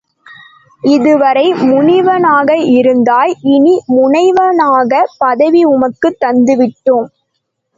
இதுவரை முனிவனாக இருந்தாய் இனி முனைவனாகப் பதவி உமக்குத் தந்து விட்டோம்.